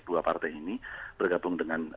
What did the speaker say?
dua partai ini bergabung dengan